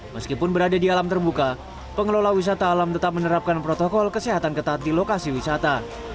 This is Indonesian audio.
meskipun berada di alam terbuka pengelola wisata alam tetap menerapkan protokol kesehatan ketat di lokasi wisata